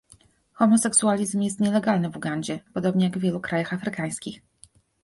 Homoseksualizm jest nielegalny w Ugandzie, podobnie jak w wielu krajach afrykańskich